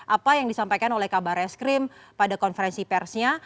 apa yang disampaikan oleh kabar eskrim pada konferensi persnya